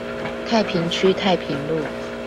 太平區太平路